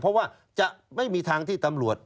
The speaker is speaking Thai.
เพราะว่าจะไม่มีทางที่ตำรวจ